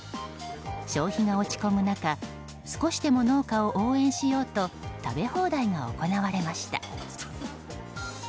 消費が落ち込む中少しでも農家を応援しようと食べ放題が行われました。